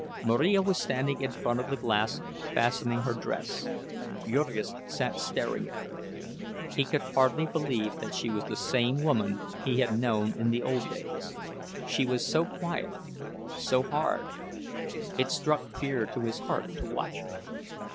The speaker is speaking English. Marija was standing in front of the glass fastening her dress. Jurgis sat staring at her. He could hardly believe that she was the same woman he had known in the old days; she was so quiet—so hard! It struck fear to his heart to watch her.